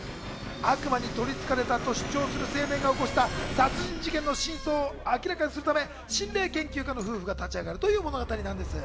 悪魔にとりつかれたと主張する青年が起こした殺人事件の真相を明らかにするため、心霊研究家の夫婦が立ち上がるという物語なんです。